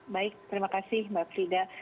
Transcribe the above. baik terima kasih mbak frida